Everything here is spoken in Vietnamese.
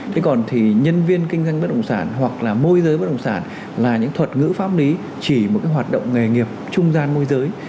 thế còn thì nhân viên kinh doanh bất động sản hoặc là môi giới bất động sản là những thuật ngữ pháp lý chỉ một cái hoạt động nghề nghiệp trung gian môi giới